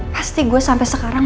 pasti gue sampe sekarang